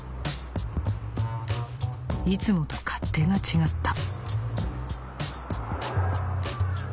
いつもと勝手が違った」。